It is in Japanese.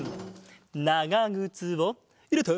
ながぐつをいれて。